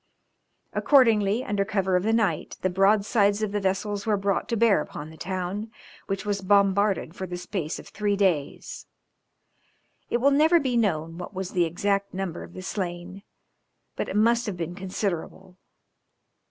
Accordingly, under cover of the night, the broadsides of the vessels were brought to bear upon the town, which was bombarded for the space of three days. It will never be known what was the exact number of the slain, but it must have been considerable.